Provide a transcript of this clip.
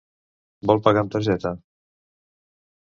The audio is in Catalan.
Vol pagar amb targeta?